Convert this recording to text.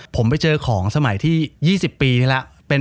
ผมไปเจอของสมัยที่๒๐ปีนี้แล้ว